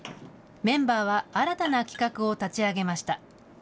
メンバーは新たな企画を立ち上げました。